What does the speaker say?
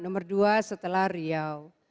nomor dua setelah riau